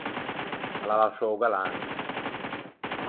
A l’à lasciou o galante.